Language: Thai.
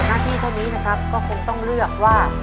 หน้าที่เท่านี้นะครับก็คงต้องเลือกว่า